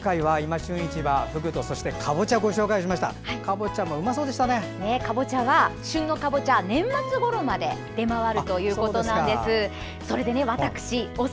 旬のかぼちゃは年末ごろまで出回るということなんです。